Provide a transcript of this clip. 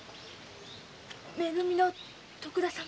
め組の徳田様？